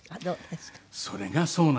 それがそうなんですよね。